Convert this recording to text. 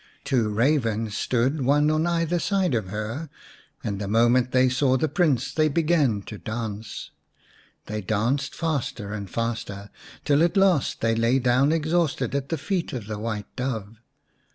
Two ravens stood one on either side of her, and the moment they saw the Prince they began to 241 R The White Dove xx dance. They danced faster and faster till at last they lay down exhausted at the feet of the White Dove.